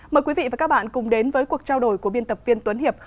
mời quý vị và các bạn cùng đến với cuộc trao đổi của biên tập viên tuấn hiệp